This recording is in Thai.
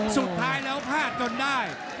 สุดท้ายแล้วพลาดจนได้